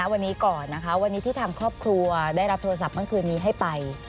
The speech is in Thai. วันนี้ก่อนนะคะวันนี้ที่ทางครอบครัวได้รับโทรศัพท์เมื่อคืนนี้ให้ไป